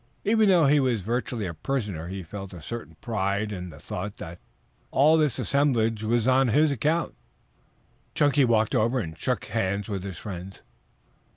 Even though he was virtually a prisoner he felt a certain pride in the thought that all this assemblage was on his account. Chunky walked over and shook hands with his friends.